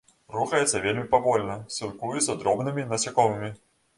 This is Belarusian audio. Рухаецца вельмі павольна, сілкуецца дробнымі насякомымі.